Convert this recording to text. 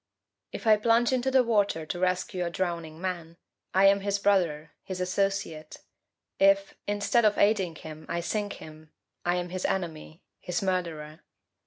If I plunge into the water to rescue a drowning man, I am his brother, his associate; if, instead of aiding him, I sink him, I am his enemy, his murderer.